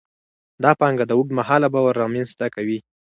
دا پانګه د اوږد مهاله باور رامینځته کوي.